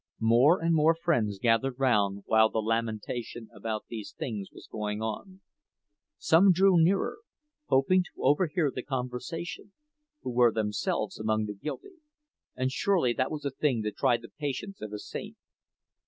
More and more friends gathered round while the lamentation about these things was going on. Some drew nearer, hoping to overhear the conversation, who were themselves among the guilty—and surely that was a thing to try the patience of a saint.